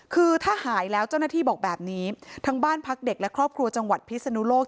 คือถ้าหายแล้วเจ้าหน้าที่บอกแบบนี้ทั้งบ้านพักเด็กและครอบครัวจังหวัดพิศนุโลก